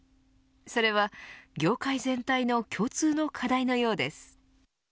それは業界全体の共通の課題のようです。